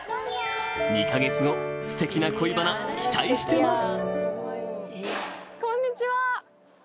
２か月後ステキな恋バナ期待してます